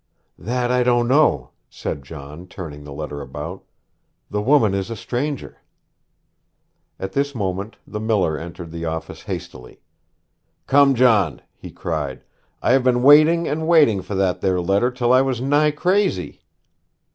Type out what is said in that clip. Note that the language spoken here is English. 'That I don't know,' said John, turning the letter about. 'The woman is a stranger.' At this moment the miller entered the office hastily. 'Come, John,' he cried, 'I have been waiting and waiting for that there letter till I was nigh crazy!'